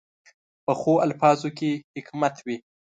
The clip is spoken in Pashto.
پخو الفاظو کې حکمت وي